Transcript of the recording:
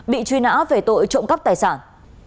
bị truy nã về tội trộm cắp tài sản